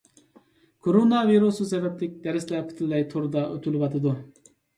كورونا ۋىرۇسى سەۋەبلىك دەرسلەر پۈتۈنلەي توردا ئۆتۈلۈۋاتىدۇ.